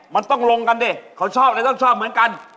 มันต้องลงกันดิเขาชอบเลยต้องชอบเหมือนกัน